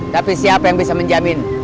tapi siapa yang bisa menjamin